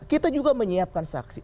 kita juga menyiapkan saksi